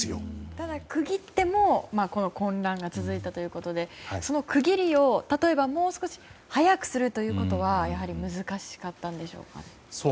ただ、区切っても混乱が続いたということでその区切りを例えばもう少し早くするということは難しかったんでしょうか。